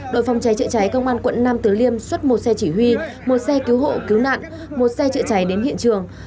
đội phòng cháy trợ cháy công an quận năm từ liêm xuất một xe chỉ huy một xe cứu hộ cứu nạn một xe trợ cháy đến hiện trường